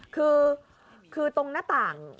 คือตรงหน้าต่าง